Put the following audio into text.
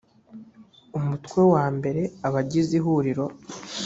umutwe wa mbere abagize ihuriro